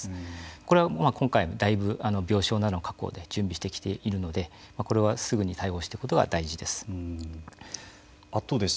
これは今回もだいぶ病床の確保などで準備してきているのでこれはすぐに対応していくことが大事です。